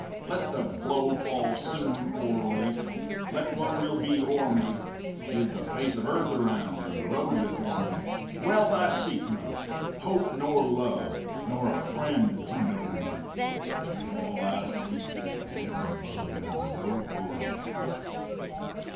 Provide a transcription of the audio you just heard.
Let the blow fall soon or late, Let what will be o'er me; Give the face of earth around And the road before me. Wealth I seek not, hope nor love, Nor a friend to know me; All I seek, the heaven above And the road below me.